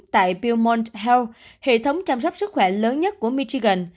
tại belmont health hệ thống chăm sóc sức khỏe lớn nhất của michigan